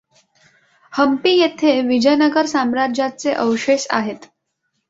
हंपी येथे विजयनगर साम्राज्याचे अवशेष आहेत.